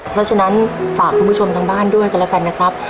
เพราะฉะนั้นฝากคุณผู้ชมทางบ้านด้วยกันแล้วกันนะครับ